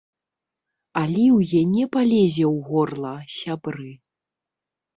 Аліўе не палезе ў горла, сябры.